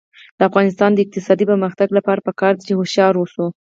د افغانستان د اقتصادي پرمختګ لپاره پکار ده چې هوښیار اوسو.